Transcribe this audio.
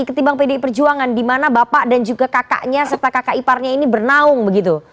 ketimbang pdi perjuangan di mana bapak dan juga kakaknya serta kakak iparnya ini bernaung begitu